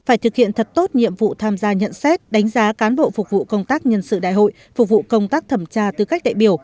phải thực hiện thật tốt nhiệm vụ tham gia nhận xét đánh giá cán bộ phục vụ công tác nhân sự đại hội phục vụ công tác thẩm tra tư cách đại biểu